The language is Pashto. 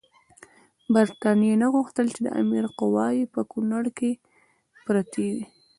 برټانیې نه غوښتل چې د امیر قواوې په کونړ کې پرتې وي.